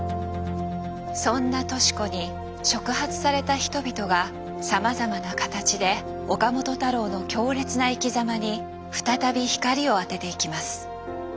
そんな敏子に触発された人々がさまざまな形で岡本太郎の強烈な生きざまに再び光を当てていきます。